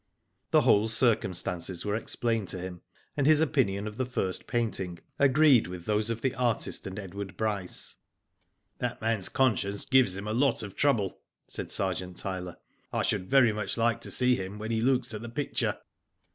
The whole circumstances were explained to him, and his opinion of the first painting agreed with those of the artist and Edward Bryce. ''That man^s conscience gives him a lot of trouble," said Sergeant Tyler. " I should very much like to see him when he looks at the picture."